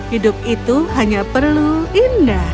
hidup itu hanya perlu indah